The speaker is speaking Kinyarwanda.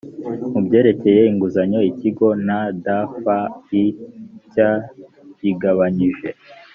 mu byerekeye inguzanyo ikigo ndfi cya yigabanyije.